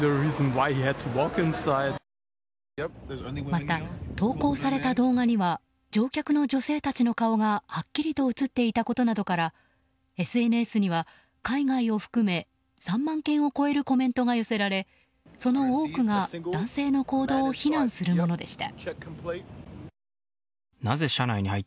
また、投稿された動画には乗客の女性たちの顔がはっきりと映っていたことなどからＳＮＳには海外を含め３万件を超えるコメントが寄せられその多くが男性の行動を非難するものでした。